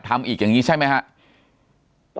จนถึงปัจจุบันมีการมารายงานตัว